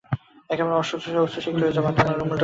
একেবারে অশ্রুসিক্ত হয়ে যাবো, আর তোমার রুমালটা ধার চাইবো।